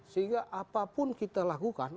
sehingga apapun kita lakukan